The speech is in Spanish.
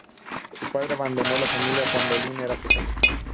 Su padre abandonó a la familia cuando Linn era pequeña.